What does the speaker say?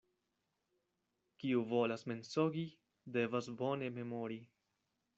Kiu volas mensogi, devas bone memori.